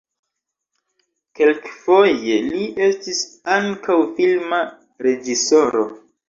Kelkfoje li estis ankaŭ filma reĝisoro.